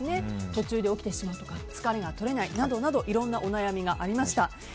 途中で起きてしまうとか疲れが取れないなどなどいろんなお悩みがありました。